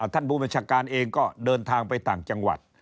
ท่านผู้บัญชาการเองก็เดินทางไปต่างจังหวัด